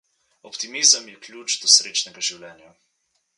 Optimizem je ključ do srečnega življenja.